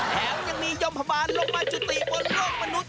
แถมยังมียมพบาลลงมาจุติบนโลกมนุษย